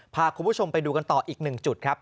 พาคุณผู้ชมไปดูกันต่ออีกหนึ่งจุดครับ